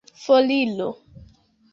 foriro